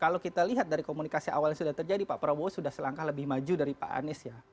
kalau kita lihat dari komunikasi awal yang sudah terjadi pak prabowo sudah selangkah lebih maju dari pak anies ya